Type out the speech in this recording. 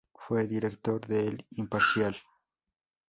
Fue director de El Imparcial.